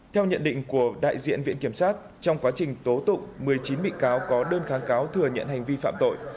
theo nhận định của đại diện viện kiểm sát trong quá trình tố tụng một mươi chín bị cáo có đơn kháng cáo thừa nhận hành vi phạm tội